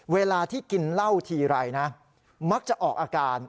เวลาที่กินเหล้าทีไรนะมักจะออกอาการ